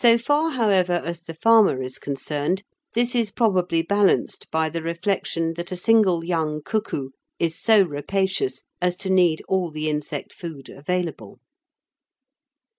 So far however as the farmer is concerned, this is probably balanced by the reflection that a single young cuckoo is so rapacious as to need all the insect food available.